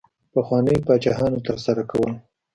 پخوانیو پاچاهانو ترسره کول.